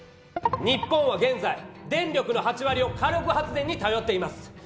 日本は現在電力の８割を火力発電にたよっています。